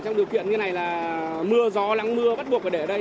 trong điều kiện như thế này là mưa gió lắng mưa bắt buộc để ở đây